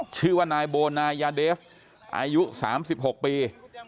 ชื่อว่านายโบนายาเดฟอายุ๓๖ปี